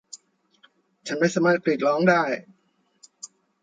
ฉันไม่สามารถกรีดร้องได้